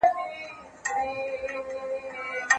افغان سوداګر په اوسني حکومت کي بشپړ استازي نه لري.